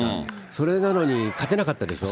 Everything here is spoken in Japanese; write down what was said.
それなのに、勝てなかったでしょ。